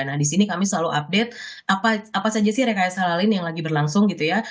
nah di sini kami selalu update apa saja sih rekayasa lain yang lagi berlangsung gitu ya